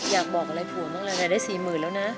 อยากบอกอะไรผัวมั้งเลยแน่ใด๔หมื่นแล้วนะ